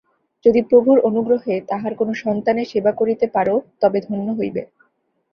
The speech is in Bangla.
যদি প্রভুর অনুগ্রহে তাঁহার কোন সন্তানের সেবা করিতে পার, তবে ধন্য হইবে।